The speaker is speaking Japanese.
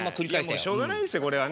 いやもうしょうがないですよこれはね。